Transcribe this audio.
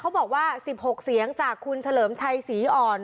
เขาบอกว่า๑๖เสียงจากคุณเฉลิมชัยศรีอ่อน